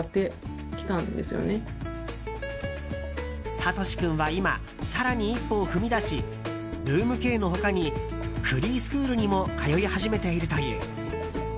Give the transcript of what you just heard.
さとし君は今更に一歩を踏み出しｒｏｏｍ‐Ｋの他にフリースクールにも通い始めているという。